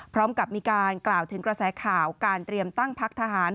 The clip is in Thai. พร้อมกับมีการกล่าวถึงกระแสข่าวการเตรียมตั้งพักทหาร